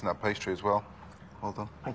はい。